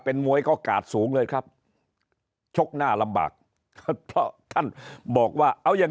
เป็นมวยก็กาดสูงเลยครับชกหน้าลำบากบอกว่าเอาอย่าง